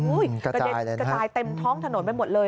อุ๊ยกระจายเต็มท้องถนนไปหมดเลย